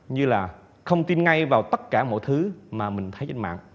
như là không tin ngay vào tất cả mọi thứ mà mình thấy trên mạng